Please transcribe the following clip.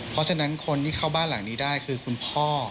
เพราะฉะนั้นคนที่เข้าบ้านหลังนี้ได้คือคุณพ่อ